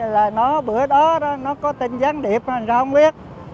là bữa đó nó có tên gián điệp mà ra không biết